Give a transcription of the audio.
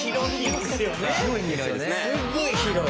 すっごい広い。